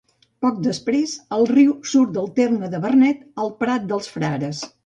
Poc després el riu surt del terme de Vernet al Prat dels Frares.